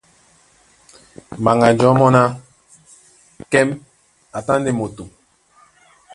Mbaŋganjɔ̌ mɔ́ ná: Kɛ́m a tá ndé moto.